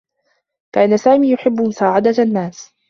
كان سامي يحبّ مساعدة النّاس.